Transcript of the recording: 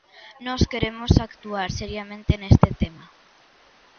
Nós queremos actuar seriamente neste tema.